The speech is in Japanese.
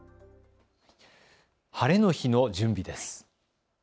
晴れの日の準備です。